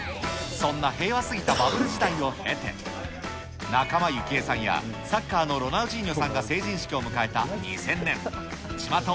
そんな平和すぎたバブル時代を経て、仲間由紀恵さんや、サッカーのロナウジーニョさんが成人式を迎えた２０００年。